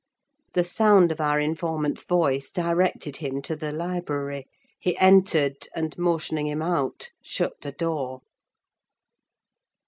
The sound of our informant's voice directed him to the library; he entered and motioning him out, shut the door.